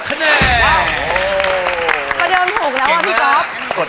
ก็เดินถูกแล้วว่าพี่ก๊อฟ